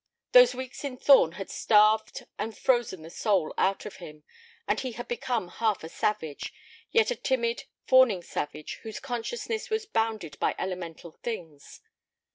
Those weeks in Thorn had starved and frozen the soul out of him, and he had become half a savage, yet a timid, fawning savage whose consciousness was bounded by elemental things.